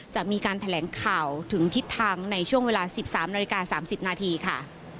จะมีการแถลงข่าวถึงทิศทางในช่วงเวลา๑๓นาฬิกา๓๐นาทีค่ะ